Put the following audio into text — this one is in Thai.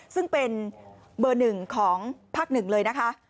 ซึ่งเป็นเบอร์หนึ่งของภาคหนึ่งเลยนะคะ